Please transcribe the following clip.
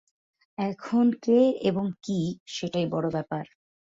এখন কে এবং কী সেটাই বড় ব্যাপার!